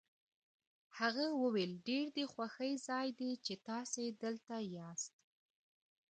هغه وویل ډېر د خوښۍ ځای دی چې تاسي دلته یاست.